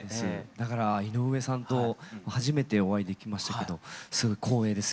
だから井上さんと初めてお会いできましたけどすごい光栄です